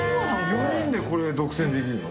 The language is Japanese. ４人でこれ独占できんの？